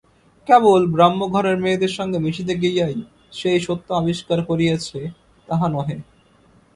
কেবল ব্রাহ্মঘরের মেয়েদের সঙ্গে মিশিতে গিয়াই সে এই সত্য আবিষ্কার করিয়াছে তাহা নহে।